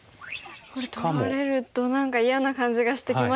これ取られると何か嫌な感じがしてきましたね。